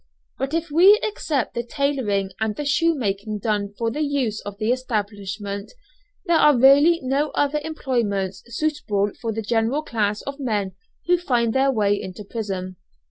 But if we except the tailoring and the shoemaking done for the use of the establishment, there are really no other employments suitable for the general class of men who find their way into prison.